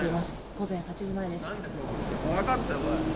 午前８時前です。